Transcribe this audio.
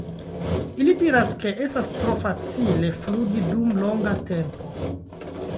Ili diras ke estas tro malfacile flugi dum longa tempo.